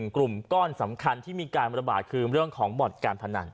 กลุ่มก้อนสำคัญที่มีการระบาดคือเรื่องของบ่อนการพนัน